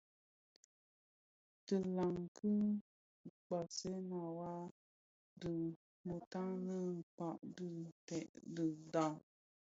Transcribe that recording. Tiilag ki kpaghèna wa bi mutanin kpäg dhi ntèd di dhaa.